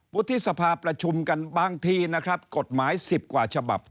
วุฒิสภาประชุมกันบางทีนะครับกฎหมาย๑๐กว่าฉบับ